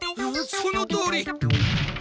そのとおり。